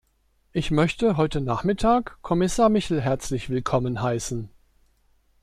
Ich möchte heute Nachmittag Kommissar Michel herzlich willkommen heißen.